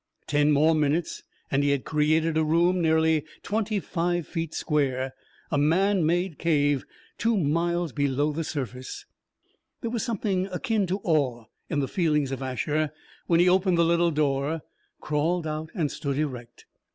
Ten more minutes and he had created a room nearly twenty five feet square a man made cave, two miles below the surface. There was something akin to awe in the feelings of Asher when he opened the little door, crawled out and stood erect.